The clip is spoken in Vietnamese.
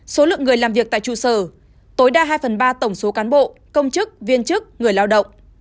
số lượng người làm việc tại trụ sở tối đa hai phần ba tổng số cán bộ công chức viên chức người lao động